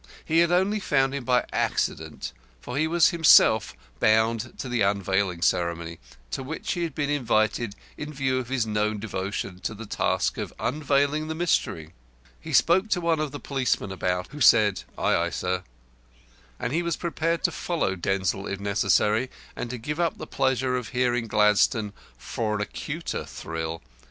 He had only found him by accident, for he was himself bound to the unveiling ceremony, to which he had been invited in view of his known devotion to the task of unveiling the Mystery. He spoke to one of the policemen about, who said, "Ay, ay, sir," and he was prepared to follow Denzil, if necessary, and to give up the pleasure of hearing Gladstone for an acuter thrill.